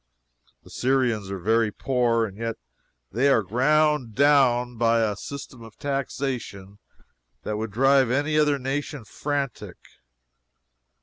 The Syrians are very poor, and yet they are ground down by a system of taxation that would drive any other nation frantic.